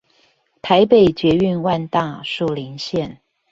台北捷運萬大樹林線